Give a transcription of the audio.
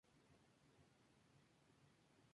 Es licenciado en Filosofía y Letras y Periodismo.